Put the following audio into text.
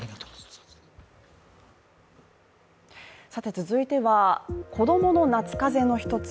続いては子供の夏風邪の一つ